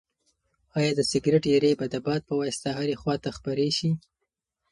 ایا د سګرټ ایرې به د باد په واسطه هرې خواته خپرې شي؟